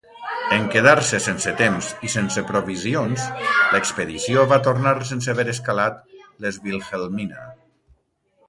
En quedar-se sense temps i sense provisions, l'expedició va tornar sense haver escalat les Wilhelmina.